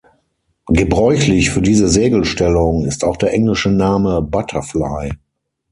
Gebräuchlich für diese Segelstellung ist auch der englische Name „Butterfly“.